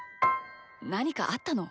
なにかあったの？